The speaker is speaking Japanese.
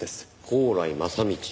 宝来正道。